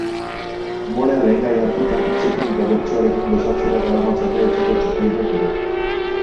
Umorea lehengai hartuta, hitzekin eta bertsoarekin gozatzera daramatzate etxeko txikienak ere.